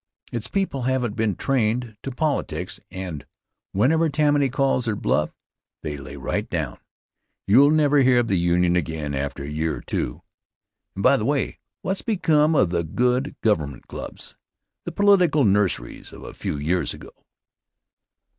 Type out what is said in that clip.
Its people haven't been trained to politics, and whenever Tammany calls their bluff they lay right down. You'll never hear of the Union again after a year or two. And, by the way, what's become of the good government clubs, the political nurseries of a few years ago?